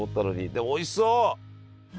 でもおいしそう！